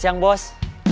selamat siang bos